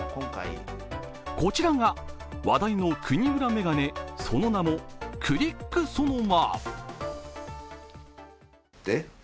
こちらが話題のクニムラ眼鏡、その名もクリックソノマ。